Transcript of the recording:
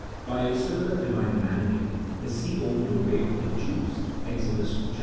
By a similar Divine mandate the sea opened a way for the Jews (Exod. xiv.